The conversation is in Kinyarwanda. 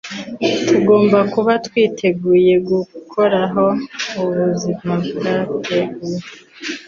Tugomba kuba twiteguye gukuraho ubuzima twateguye,